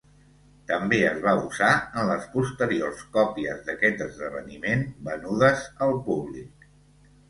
També es va usar en les posteriors còpies d'aquest esdeveniment venudes al públic.